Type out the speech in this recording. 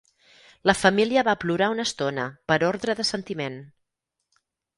La familia va plorar una estona per ordre de sentiment